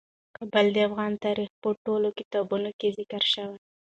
کابل د افغان تاریخ په ټولو کتابونو کې ذکر شوی دی.